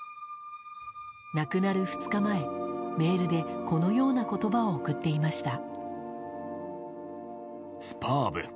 亡くなる２日前、メールでこのような言葉を送っていました。